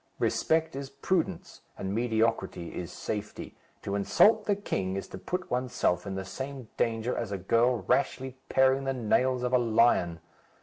Respect is prudence, and mediocrity is safety. To insult the king is to put oneself in the same danger as a girl rashly paring the nails of a lion.